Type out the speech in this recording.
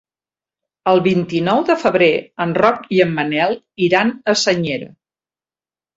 El vint-i-nou de febrer en Roc i en Manel iran a Senyera.